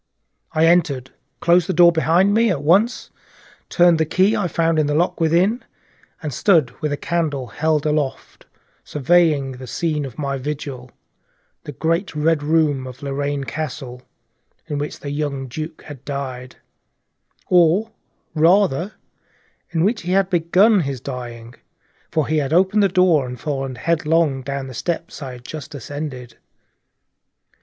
I entered, closed the door behind me at once, turned the key I found in the lock within, and stood with the candle held aloft surveying the scene of my vigil, the great Red Room of Lorraine Castle, in which the young Duke had died; or rather in which he had begun his dying, for he had opened the door and fallen headlong down the steps I had just ascended.